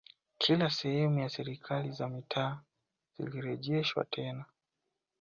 Kila sehemu sheria ya serikali za Mitaa zilirejeshwa tena